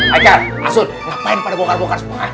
haikal asun ngapain pada bongkar bongkar semua